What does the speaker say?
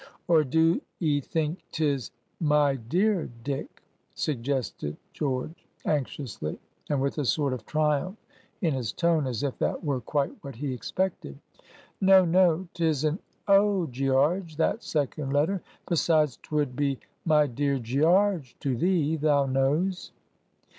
"Or do 'ee think 'tis 'My dear Dick'?" suggested George, anxiously, and with a sort of triumph in his tone, as if that were quite what he expected. "No, no. 'Tis an O, Gearge, that second letter. Besides, twould be My dear Gearge to thee, thou knows."